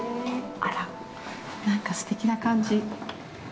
あらっ、なんかすてきな感じ。